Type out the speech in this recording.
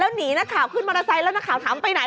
แล้วหนีขึ้นมารอไซซ์แล้วนักข่าวถามไปไหน